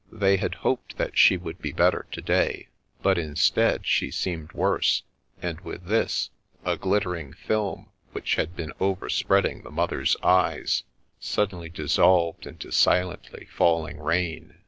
They had hoped that she would be better to day, but instead, she seemed worse; and with this, a glittering film which had been overspreading the mother's eyes, suddenly dis solved into silently falling rain.